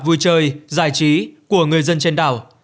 vui chơi giải trí của người dân trên đảo